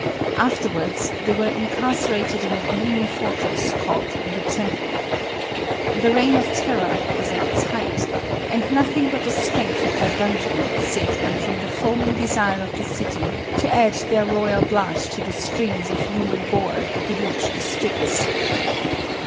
After wards they were incarcerated in a gloomy fortress called the Temple. The reign of terror was at its height, and nothing but the strength of their dungeon saved them from the foaming desire of the city to add their royal blood to the streams of human gore that deluged the streets.